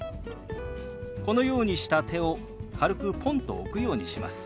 このようにした手を軽くポンと置くようにします。